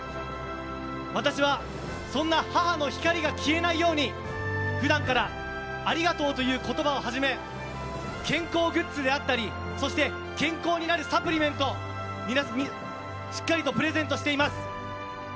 私はそんな母の光が消えないように普段からありがとうという言葉をはじめ健康グッズであったり健康になれるサプリメントなどをしっかりとプレゼントしています。